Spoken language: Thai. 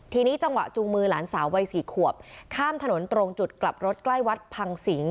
ทีนี้จังหวะจูงมือหลานสาววัยสี่ขวบข้ามถนนตรงจุดกลับรถใกล้วัดพังสิง